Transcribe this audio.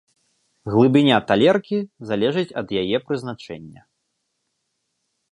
Глыбіня талеркі залежыць ад яе прызначэння.